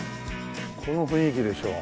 この雰囲気でしょう。